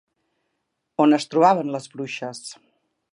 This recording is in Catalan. On es trobaven les bruixes?